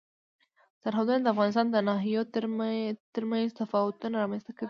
سرحدونه د افغانستان د ناحیو ترمنځ تفاوتونه رامنځ ته کوي.